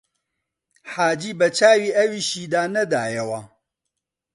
حاجی بە چاوی ئەویشیدا نەدایەوە